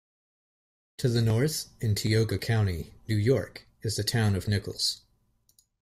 To the north, in Tioga County, New York, is the town of Nichols.